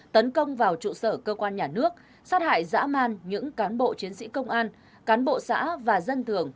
tấn công vào trụ sở cơ quan nhà nước sát hại dã man những cán bộ chiến sĩ công an cán bộ xã và dân thường